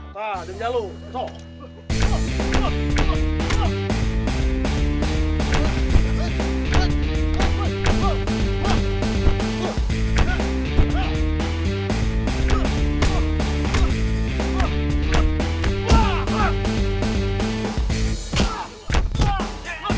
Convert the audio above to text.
tak jangan jalu